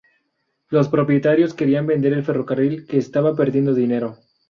Los propietarios querían vender el ferrocarril, que estaba perdiendo dinero.